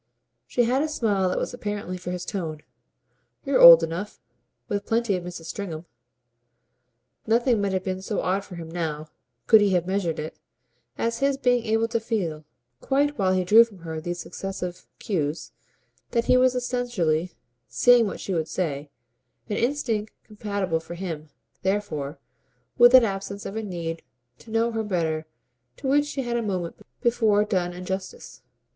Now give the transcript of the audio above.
She had a smile that was apparently for his tone. "You're old enough with plenty of Mrs. Stringham." Nothing might have been so odd for him now, could he have measured it, as his being able to feel, quite while he drew from her these successive cues, that he was essentially "seeing what she would say" an instinct compatible for him therefore with that absence of a need to know her better to which she had a moment before done injustice.